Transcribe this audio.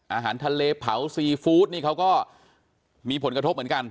อาหารทะเลเผาซีฟู้ดนี่เขาก็มีผลกระทบเหมือนกัน